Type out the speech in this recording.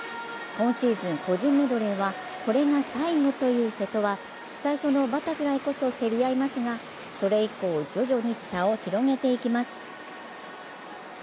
今シーズン個人メドレーはこれが最後という瀬戸は最初のバタフライこそ競り合いますが、それ以降、徐々に差を広げていきます。